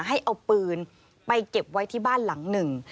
ให้เอาปืนไปเก็บไว้ที่บ้านหลังหนึ่ง